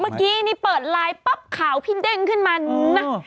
เมื่อกี้นี่เปิดไลน์ปั๊บข่าวพี่เด้งขึ้นมานะ